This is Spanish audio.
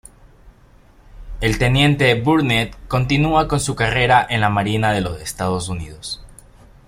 El teniente "Burnett" continúa con su carrera en la Marina de los Estados Unidos.